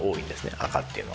赤っていうのは。